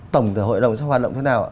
tổng thể hội đồng sẽ hoạt động thế nào